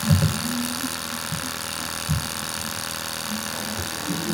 Ingoma Mpinza n’imitekerereze yazo niyo yatazuriye itegura Ingoma zindi zadutse nyuma